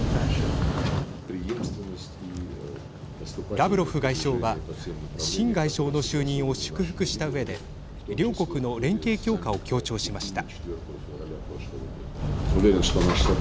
ラブロフ外相は秦外相の就任を祝福したうえで両国の連携強化を強調しました。